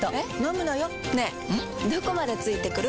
どこまで付いてくる？